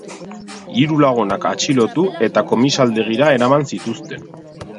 Hiru lagunak atxilotu eta komisaldegira eraman zituzten.